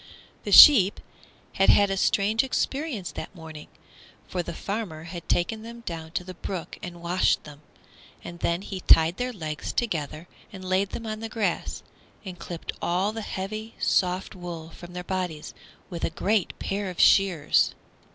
The sheep had had a strange experience that morning, for the farmer had taken them down to the brook and washed them, and then he tied their legs together and laid them on the grass and clipped all the heavy, soft wool from their bodies with a great pair of shears.